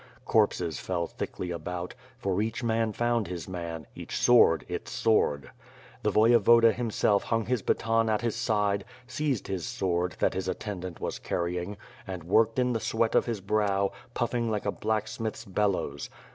Corpses fell thickly about, for each man foimd his man, each sword, its sword. The Vov evoda himself hung his baton at his side; seized his sword, that his attendant was carrying, and worked in the sweat of his brow, puffing like a blacksmith's bellows.